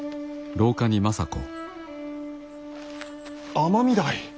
尼御台。